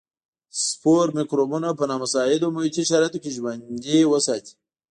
سپور مکروبونه په نامساعدو محیطي شرایطو کې ژوندي ساتي.